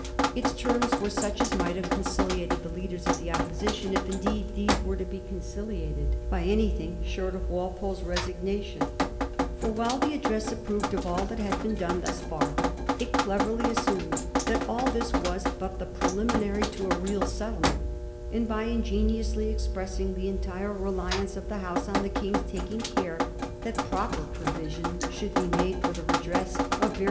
Its terms were such as might have conciliated the leaders of the Opposition, if indeed these were to be conciliated by anything short of Walpole's resignation, for, while the address approved of all that had been done thus far, it \ cleverly assumed that all this was but the preliminary to a real settlement ; and by ingenuously expressing the en tire reliance of the House on the King's taking care that proper provision should be made for the redress of various 1Y39.